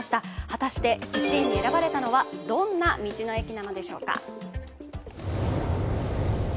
果たして１位に選ばれたのはどんな道の駅なのでしょうか。